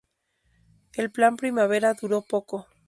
El Plan Primavera duró poco.